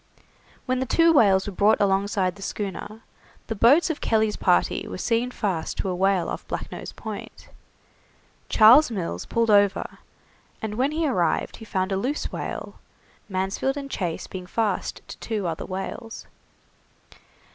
When the two whales were brought alongside the schooner, the boats of Kelly's party were seen fast to a whale off Black Nose Point. Charles Mills pulled over, and when he arrived he found a loose whale, Mansfield and Chase being fast to two other whales.